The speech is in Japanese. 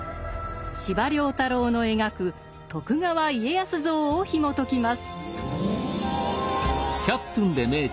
司馬太郎の描く徳川家康像をひもときます。